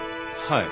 はい。